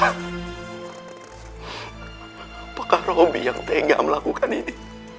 apakah roby yang tega melakukan ini